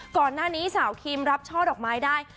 ก่อนหน้านี้สาวคิมรับช่อดอกไม้ได้